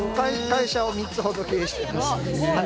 会社を３つほど経営しています。